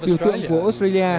điều tượng của australia